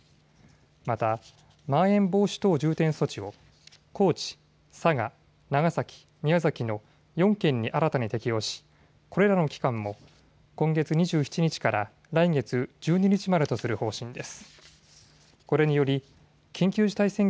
また、まん延防止等重点措置を高知、佐賀、長崎、宮崎の４県に新たに適用しこれらの期間も今月２７日から来月１２日までとする方針です。